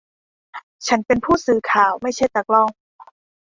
ฉันเป็นผู้สื่อข่าว ไม่ใช่ตากล้อง